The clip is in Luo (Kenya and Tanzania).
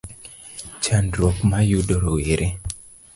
Chandruok ma yudo rowere